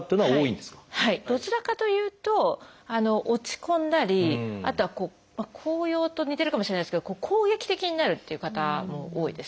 どちらかというと落ち込んだりあとは高揚と似てるかもしれないですけど攻撃的になるっていう方多いですね。